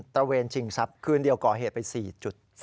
ระเวนชิงทรัพย์คืนเดียวก่อเหตุไป๔๔